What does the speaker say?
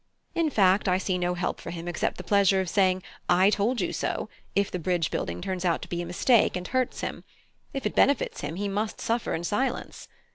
In fact, I see no help for him except the pleasure of saying 'I told you so' if the bridge building turns out to be a mistake and hurts him; if it benefits him he must suffer in silence.